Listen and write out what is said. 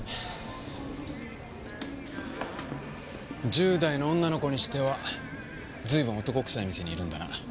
１０代の女の子にしては随分男くさい店にいるんだな。